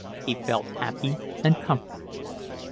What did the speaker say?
He felt happy and comfortable.